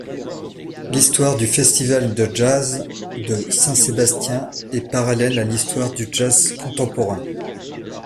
L’histoire du Festival de Jazz de Saint-Sébastien est parallèle à l’histoire du jazz contemporain.